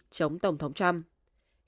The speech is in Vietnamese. chống tổng thống trump